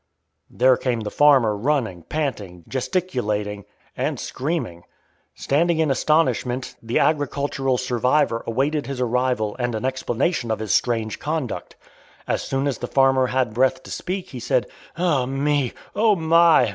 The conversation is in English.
There came the farmer running, panting, gesticulating, and screaming. Standing in astonishment the agricultural survivor awaited his arrival and an explanation of his strange conduct. As soon as the farmer had breath to speak he said, "Ah, me! Oh my!